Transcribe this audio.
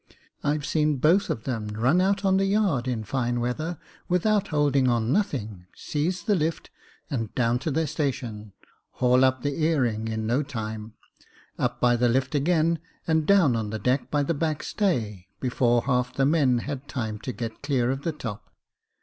I've seen both of them run out on the yard, in fine weather, without holding on nothing, seize the lift, and down to their station, haul up the earing, in no time ; up by the lift again, and down on deck, by the backstay, before half the men had time to get clear of the top.